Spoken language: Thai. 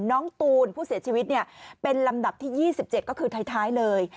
น้องตูนผู้เสียชีวิตเป็นลำดับที่๒๗ก็คือท้ายเลย